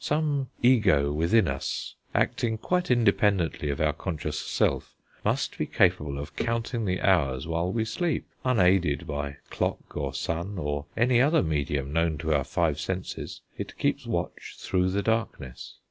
Some Ego within us, acting quite independently of our conscious self, must be capable of counting the hours while we sleep. Unaided by clock or sun, or any other medium known to our five senses, it keeps watch through the darkness.